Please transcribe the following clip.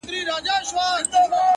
نه د ژړا نه د خندا خاوند دی ـ